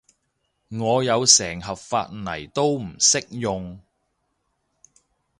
我有成盒髮泥都唔識用